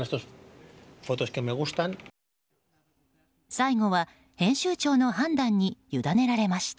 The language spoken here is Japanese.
最後は編集長の判断にゆだねられました。